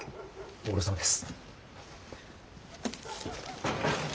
ご苦労さまです。